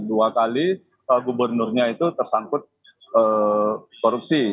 dua kali gubernurnya itu tersangkut korupsi